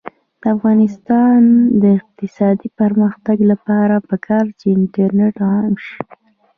د افغانستان د اقتصادي پرمختګ لپاره پکار ده چې انټرنیټ عام شي.